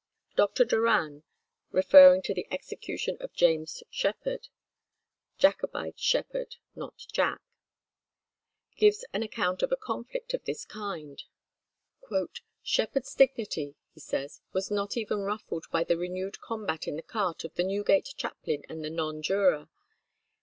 Doctor Doran, referring to the execution of James Sheppard (Jacobite Sheppard, not Jack), gives an account of a conflict of this kind. "Sheppard's dignity," he says, "was not even ruffled by the renewed combat in the cart of the Newgate chaplain and the nonjuror.